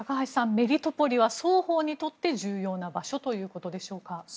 メリトポリは双方にとって重要な場所ということでしょうか。